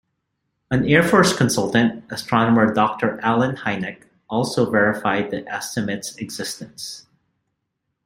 An Air Force consultant, astronomer Doctor Allen Hynek, also verified the "Estimate"s existence.